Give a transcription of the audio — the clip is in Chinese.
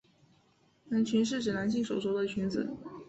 男裙是指男性所着的裙子。